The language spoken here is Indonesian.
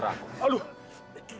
kenapa kalian ingin melukai putra